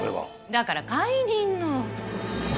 だから解任の。